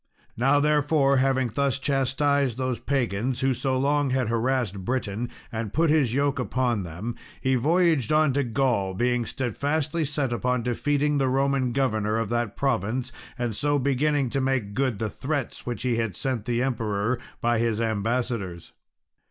Now, therefore, having thus chastised those pagans who so long had harassed Britain, and put his yoke upon them, he voyaged on to Gaul, being steadfastly set upon defeating the Roman governor of that province, and so beginning to make good the threats which he had sent the emperor by his ambassadors.